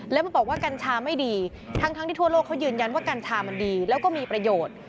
แล้วมันบอกว่ากัญชาไม่ดีทั้งที่ทั่วโลกเขายืนยันว่ากัญชามันดีแล้วก็มีประโยชน์